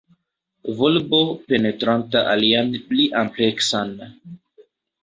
Volbo penetranta alian pli ampleksan.